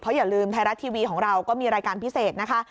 อย่าลืมไทยรัฐทีวีของเราก็มีรายการพิเศษนะคะ